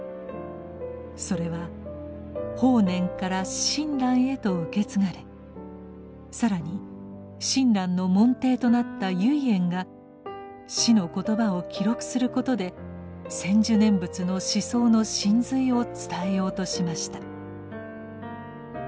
それは法然から親鸞へと受け継がれ更に親鸞の門弟となった唯円が師の言葉を記録することで「専修念仏」の思想の神髄を伝えようとしました。